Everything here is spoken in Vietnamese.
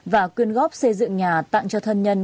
và quyên góp xây dựng nhà tặng cho thân nhân